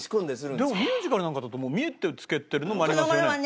でもミュージカルなんかだと見えてつけてるのもありますよね？